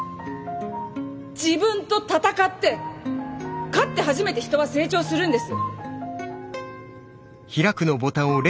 自分と戦って勝って初めて人は成長するんです。